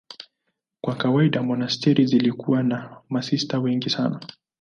Kwa kawaida monasteri zilikuwa na masista wengi sana.